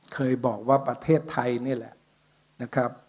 เคยบอกว่าประเทศไทยนี่แหละ